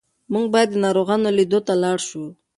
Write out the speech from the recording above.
موږ باید د ناروغانو لیدو ته لاړ شو.